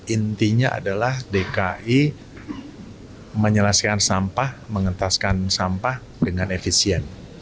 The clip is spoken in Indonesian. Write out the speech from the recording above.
intinya adalah dki menyelesaikan sampah mengentaskan sampah dengan efisien